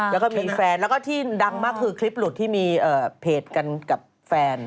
แล้วก็มีแฟนแล้วก็ที่ดังมากคือคลิปหลุดที่มีเพจกันกับแฟน